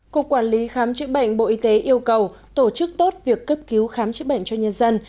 cục quản lý khám chữa bệnh bộ y tế yêu cầu tổ chức tốt việc cấp cứu khám chữa bệnh cho nhân dân